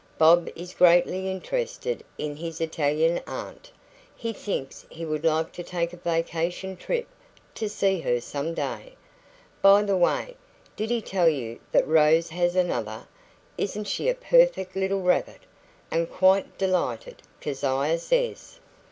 Bob is greatly interested in his Italian aunt; he thinks he would like to take a vacation trip to see her some day. By the way, did he tell you that Rose has another? Isn't she a perfect little rabbit? And quite delighted, Keziah says."